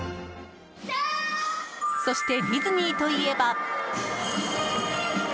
そして、ディズニーといえば。